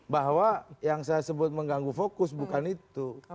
bahwa yang saya sebut mengganggu fokus bukan itu